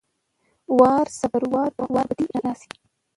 وار=صبر، وار کوه وار به دې راشي!